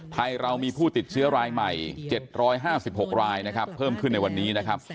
ไทยเรามีผู้ติดเชื้อรายใหม่๗๕๖รายนะครับเพิ่มขึ้นในวันนี้นะครับ